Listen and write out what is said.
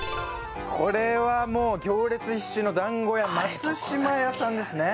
これはもう行列必至のだんご屋松島屋さんですね